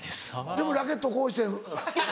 でもラケットこうして。